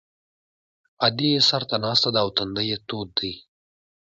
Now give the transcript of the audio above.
ادې یې سر ته ناسته ده او تندی یې تود دی